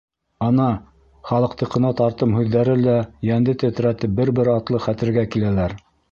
Ана, халыҡтыҡына тартым һүҙҙәре лә, йәнде тетрәтеп, бер-бер артлы хәтергә киләләр: